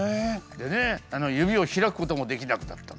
でね指を開くこともできなくなったんだよ。